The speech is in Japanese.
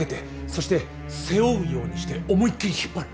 そして背負うようにして思いっ切り引っ張る。